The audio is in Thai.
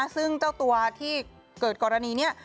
ซึ่งเจ้าตัวที่เกิดกรณีนี้